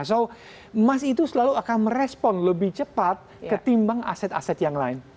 so emas itu selalu akan merespon lebih cepat ketimbang aset aset yang lain